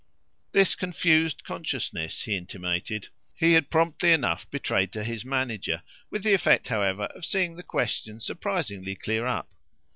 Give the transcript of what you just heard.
This confused consciousness, he intimated, he had promptly enough betrayed to his manager; with the effect, however, of seeing the question surprisingly clear up.